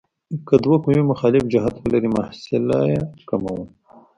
که دوه قوې مخالف جهت ولري محصله یې کموو.